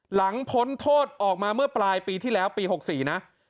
พ้นโทษออกมาเมื่อปลายปีที่แล้วปี๖๔นะ